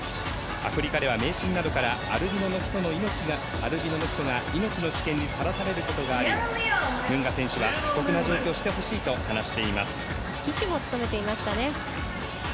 アフリカでは迷信などからアルビノの人が命の危険にさらされることがありムンガ選手は過酷な状況を知ってほしいと話しています。